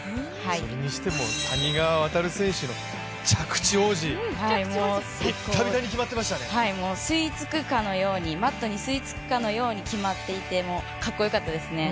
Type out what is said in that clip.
それにしても谷川航選手、着地王子、ぴったり決まってましたねマットに吸い付くかのように決まっていて、かっこよかったですね。